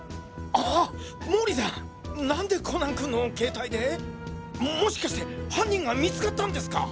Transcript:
ああっ毛利さん何でコナン君の携もしかして犯人が見つかったんですか？